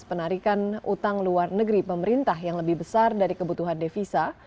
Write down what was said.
penarikan utang luar negeri pemerintah yang lebih besar dari kebutuhan devisa